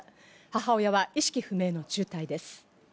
母親は意識不明の重体です。